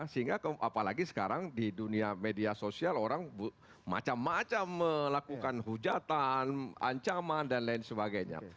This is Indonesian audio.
sehingga apalagi sekarang di dunia media sosial orang macam macam melakukan hujatan ancaman dan lain sebagainya